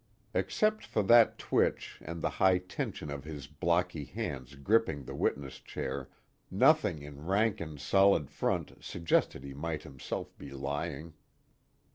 Except for that twitch, and the high tension of his blocky hands gripping the witness chair, nothing in Rankin's solid front suggested he might himself be lying.